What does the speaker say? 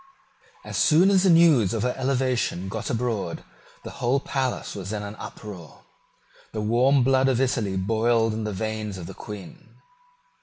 As soon as the news of her elevation got abroad, the whole palace was in an uproar. The warm blood of Italy boiled in the veins of the Queen.